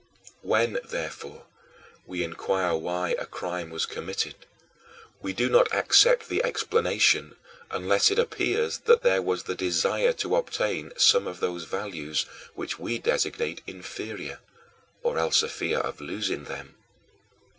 11. When, therefore, we inquire why a crime was committed, we do not accept the explanation unless it appears that there was the desire to obtain some of those values which we designate inferior, or else a fear of losing them.